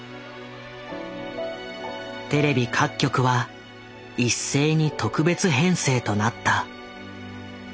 テレビ各局は一斉に特別編成となった。